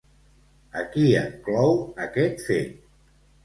A qui enclou aquest fet?